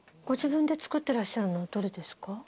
ご自分で作ってらっしゃるのどれですか？